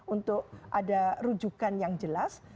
untuk ada rujukan yang jelas